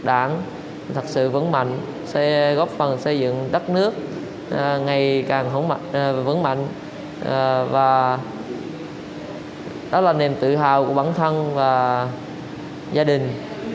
đảng thật sự vấn mạnh sẽ góp phần xây dựng đất nước ngày càng vấn mạnh và đó là niềm tự hào của bản thân và gia đình